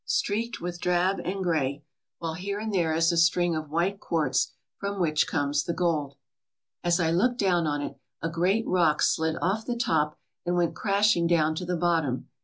TREASURES UNDER THE SEA streaked with drab and gray, while here and there is a string of white quartz from which comes the gold. As I looked down on it, a great rock slid off the top and went crashing down to the bottom.